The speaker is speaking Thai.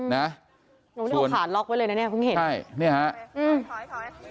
น้องนี่ออกผ่านล็อคไว้เลยนะพึ่งเห็น